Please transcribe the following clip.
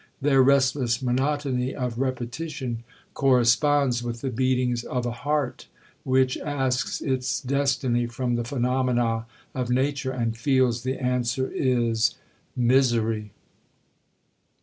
Their restless monotony of repetition, corresponds with the beatings of a heart which asks its destiny from the phenomena of nature, and feels the answer is—'Misery.'